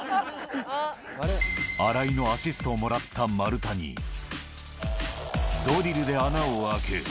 荒井のアシストをもらった丸太に、ドリルで穴を開ける。